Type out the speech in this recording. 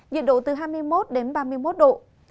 nhiệt độ từ hai mươi một đến ba mươi một độ